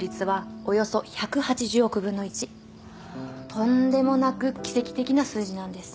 とんでもなく奇跡的な数字なんです。